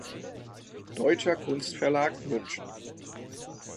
Deutscher Kunstverlag, München